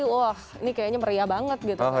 wah ini kayaknya meriah banget gitu